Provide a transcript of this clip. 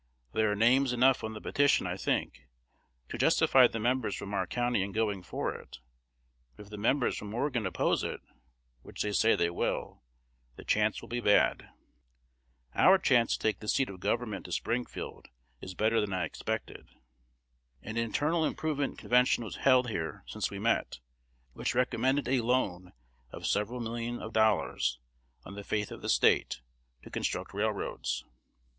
There are names enough on the petition, I think, to justify the members from our county in going for it; but if the members from Morgan oppose it, which they say they will, the chance will be bad. Our chance to take the seat of government to Springfield is better than I expected. An internal improvement convention was held here since we met, which recommended a loan of several million of dollars, on the faith of the State, to construct railroads.